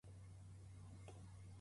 不入斗